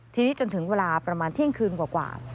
ทีนี้จนถึงเวลาประมาณเที่ยงคืนกว่า